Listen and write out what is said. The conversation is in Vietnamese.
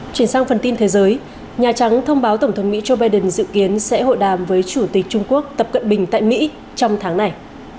chuyển sang phần tin thế giới nhà trắng thông báo tổng thống mỹ joe biden dự kiến sẽ hội đàm với chủ tịch trung quốc tập cận bình tại mỹ trong tháng này